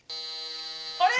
あれ！？